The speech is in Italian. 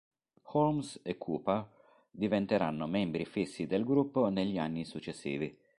Holmes e Cooper diventeranno membri fissi del gruppo negli anni successivi.